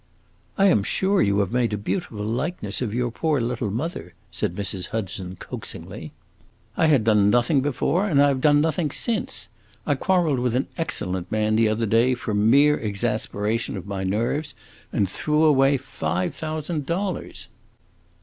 "I 'm sure you have made a beautiful likeness of your poor little mother," said Mrs. Hudson, coaxingly. "I had done nothing before, and I have done nothing since! I quarreled with an excellent man, the other day, from mere exasperation of my nerves, and threw away five thousand dollars!"